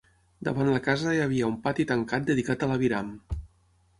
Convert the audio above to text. Davant la casa hi havia un pati tancat dedicat a l'aviram.